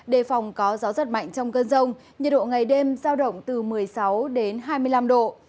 đề phòng có gió giật mạnh trong cơn rông nhiệt độ ngày đêm giao động từ một mươi sáu đến hai mươi năm độ